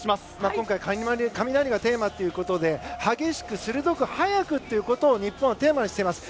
今回雷がテーマということで激しく、鋭く、速くということを日本はテーマにしています。